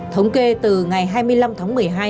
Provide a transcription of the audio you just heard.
thống kê từ ngày hai mươi năm tháng một mươi hai